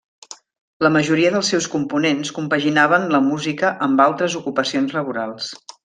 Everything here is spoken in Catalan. La majoria dels seus components compaginaven la música amb altres ocupacions laborals.